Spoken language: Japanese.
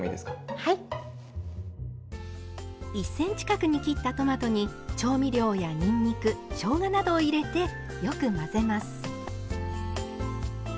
１ｃｍ角に切ったトマトに調味料やにんにくしょうがなどを入れてよく混ぜます。